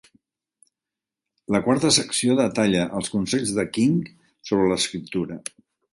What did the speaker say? La quarta secció detalla els consells de King sobre l'escriptura.